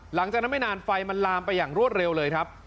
หลังจากนั้นไม่นานไฟมันลามไปอย่างรวดเร็วเลยครับ